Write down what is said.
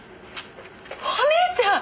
「お姉ちゃん！